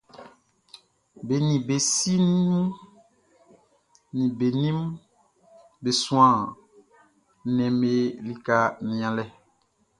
Be nin be si nin be nin be suan nnɛnʼm be lika nianlɛ.